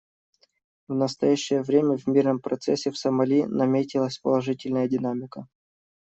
В настоящее время в мирном процессе в Сомали наметилась положительная динамика.